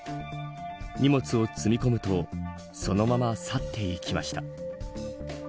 荷物を積み込むとそのまま去っていきました。